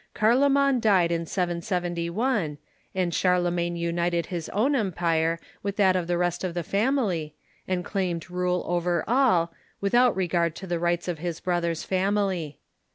Carloman died in 771, and Charlemagne united his own empire with that of the rest of the family, and claimed rule over all, without regard to the rights of his brother's family.